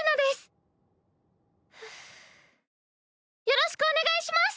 よろしくお願いします！